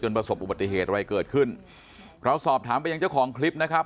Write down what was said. ประสบอุบัติเหตุอะไรเกิดขึ้นเราสอบถามไปยังเจ้าของคลิปนะครับ